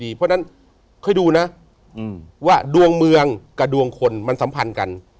เพราะฉะนั้นค่อยดูนะว่าดวงเมืองกับดวงคนมันสัมพันธ์กัน